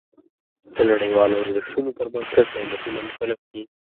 د نړیوالو ارزښتونو پر بنسټ دولتونه مکلف دي.